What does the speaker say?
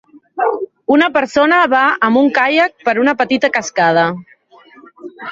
Una persona va amb un caiac per una petita cascada.